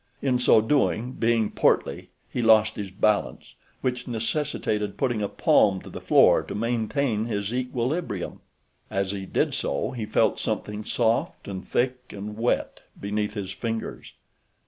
In so doing, being portly, he lost his balance, which necessitated putting a palm to the floor to maintain his equilibrium. As he did so he felt something soft and thick and wet beneath his fingers.